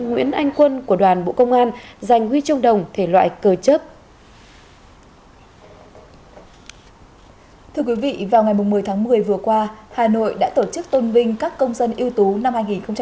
thưa quý vị vào ngày một mươi tháng một mươi vừa qua hà nội đã tổ chức tôn vinh các công dân yếu tố năm hai nghìn một mươi sáu